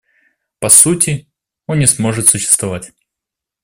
По сути, он не сможет существовать.